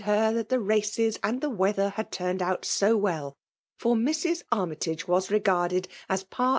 her that the races and the weather, had turned out so well ; fofi Mva. Armytage wns regarded a^ pkrt.